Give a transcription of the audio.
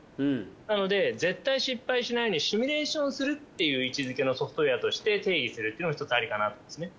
なので絶対失敗しないようにシミュレーションするっていう位置づけのソフトウエアとして定義するっていうのはひとつアリかなと思うんですね。